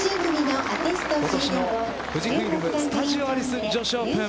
今年の富士フイルム・スタジオアリス女子オープン